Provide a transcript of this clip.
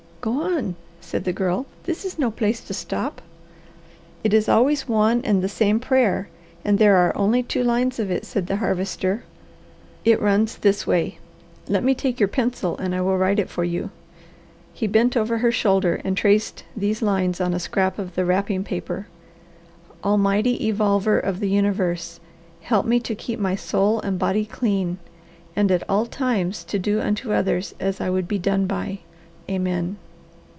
"Go on!" said the Girl. "This is no place to stop." "It is always one and the same prayer, and there are only two lines of it," said the Harvester. "It runs this way Let me take your pencil and I will write it for you." He bent over her shoulder, and traced these lines on a scrap of the wrapping paper: "Almighty Evolver of the Universe: Help me to keep my soul and body clean, And at all times to do unto others as I would be done by. Amen."